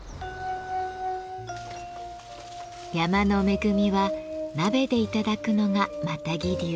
山の恵みは鍋で頂くのがマタギ流。